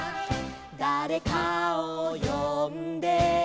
「だれかをよんで」